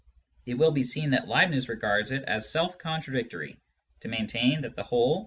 It will be seen that Leibniz regards it as self contradictory to maintain that the whole is not * Phil.